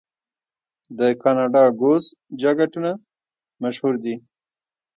د کاناډا ګوز جاکټونه مشهور دي.